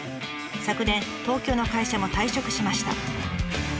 昨年東京の会社も退職しました。